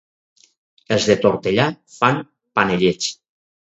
Els de Tortellà fan panellets.